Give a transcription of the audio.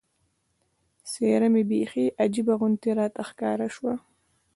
څېره مې بیخي عجیبه غوندې راته ښکاره شوه.